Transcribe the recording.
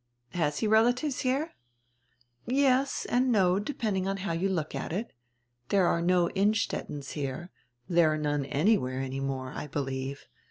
"Has he relatives here?" "Yes and no, depending on how you look at it. There are no Innstettens here, there are none anywhere any more, I believe.